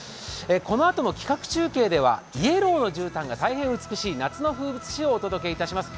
このあとの企画中継ではイエローのじゅうたんが大変美しい夏の風物詩をお届けします。